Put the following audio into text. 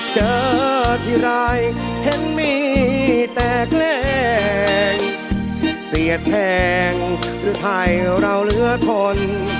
เจอที่รายเห็นมีแต่แคล้งเสียแทงหรือไทยเราเหลือทน